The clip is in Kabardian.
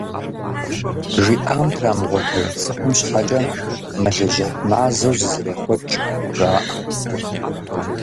ЖиӀам трамыгъуэтэж цӀыхум щхьэкӀэ «Мэлыжьыхь мазэу зызэрехъуэкӀ» хужаӀэ.